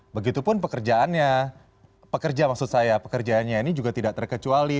begitupun pekerjaannya pekerja maksud saya pekerjaannya ini juga tidak terkecuali